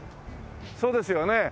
そうですよね。